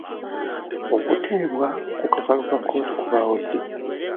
Okuteebwa ku kakalu ka kkooti kubaawo ddi?